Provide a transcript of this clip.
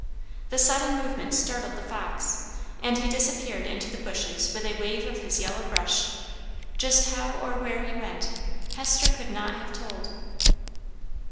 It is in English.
The sudden movement startled the fox, and he disappeared into the bushes with a wave of his yellow brush; just how or where he went, Hester could not have told.